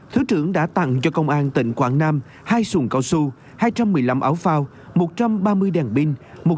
thứ trưởng đã tặng cho công an tỉnh quảng nam hai xuồng cao su hai trăm một mươi năm áo phao một trăm ba mươi đèn pin